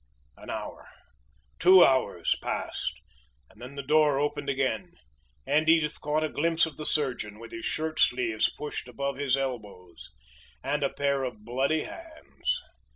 An hour, two hours, passed, and then the door opened again, and Edith caught a glimpse of the surgeon, with his shirt sleeves pushed above his elbows, and a pair of bloody hands.